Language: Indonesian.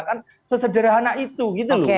kan sesederhana itu gitu loh